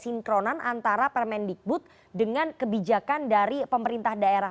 dan memang terjadi ketidaksinkronan antara permendikbud dengan kebijakan dari pemerintah daerah